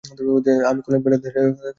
তিনি 'কলিংউডের রাজা' নামে পরিচিতি পান।